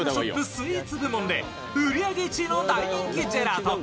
スイーツ部門で売り上げ１位の大人気ジェラート。